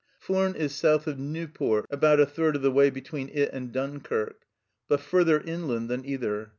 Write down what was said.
Furnes is south of Nieuport, about a third of the way between it and Dunkirk, but further inland than either.